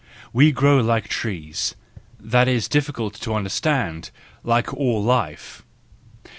We grow like trees —that is difficult to understand, like all life!